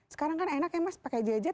sekarang kan enak ya mas pakai gadget